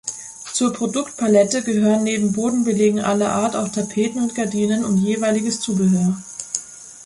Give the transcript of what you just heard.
Zur Produktpalette gehören neben Bodenbelägen aller Art auch Tapeten und Gardinen und jeweiliges Zubehör.